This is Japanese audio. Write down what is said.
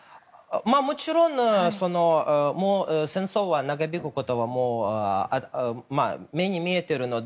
もちろん戦争が長引くことはもう、目に見えているので。